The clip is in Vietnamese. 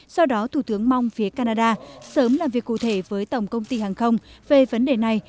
do đó thủ tướng mong phía canada sớm làm việc cụ thể với tổng công ty hàng không về vấn đề này